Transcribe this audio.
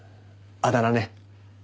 あだ名ね。